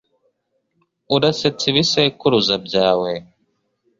Urasetsa ibisekuruza byawe